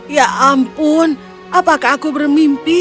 ya ampun apakah aku bermimpi